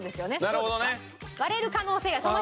なるほど。